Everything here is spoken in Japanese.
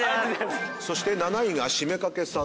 そして７位が七五三掛さん。